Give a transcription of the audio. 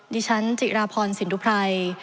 ดิฉันจิราพรสินทุไพร